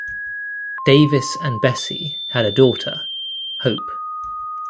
Davis and Bessie had a daughter, Hope.